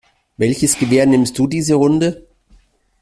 Welches Gewehr nimmst du diese Runde?